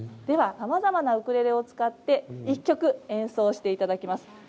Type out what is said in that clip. ではさまざまなウクレレを使って１曲、演奏していただきます。